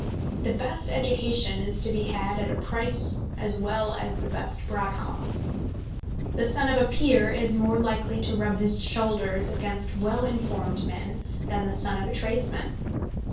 The best education is to be had at a price as well as the best broadcloth. The son of a peer is more likely to rub his shoulders against well informed men than the son of a tradesman.